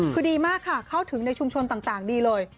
คือดีมากค่ะเข้าถึงในชุมชนต่างดีเลย